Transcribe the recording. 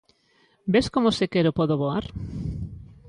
_¡Ves como se quero podo voar!